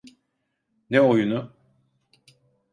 Ne oyunu?